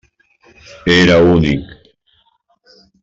Era únic.